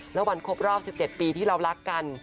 แล้ววันครบรอบ๑๗ปีที่เรารักกัน